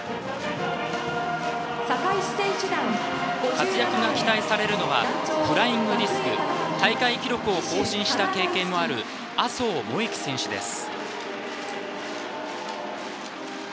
活躍が期待されるのはフライングディスク大会記録を更新した経験もある麻生萌樹選手です。